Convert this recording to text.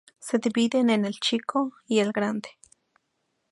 Se dividen en "el Chico" y "el Grande".